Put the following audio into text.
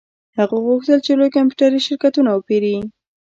هغه غوښتل چې لوی کمپیوټري شرکتونه وپیري